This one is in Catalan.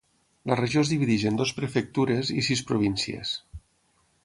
La regió es divideix en dues prefectures i sis províncies.